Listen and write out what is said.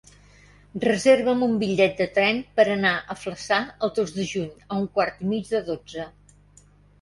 Reserva'm un bitllet de tren per anar a Flaçà el dos de juny a un quart i mig d'onze.